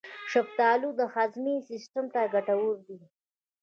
شفتالو د هاضمې سیستم ته ګټور دی.